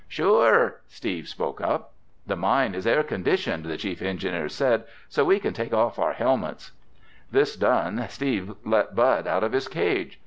"Sure!" Steve spoke up. "The mine is air conditioned," the chief engineer said, "so we can take off our helmets." This done, Steve let Bud out of his cage.